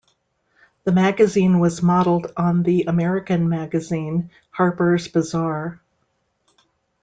The magazine was modelled on the American magazine "Harper's Bazaar".